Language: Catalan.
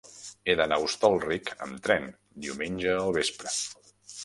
He d'anar a Hostalric amb tren diumenge al vespre.